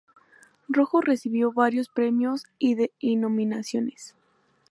Rojo recibió varios premios y nominaciones.